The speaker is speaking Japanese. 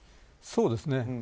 そうですね。